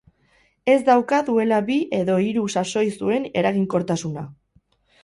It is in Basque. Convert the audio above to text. Ez dauka duela bi edo hiru sasoi zuen eraginkortasuna.